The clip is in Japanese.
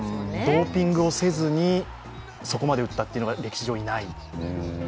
ドーピングをせずにそこまで打ったというのが歴史上にない。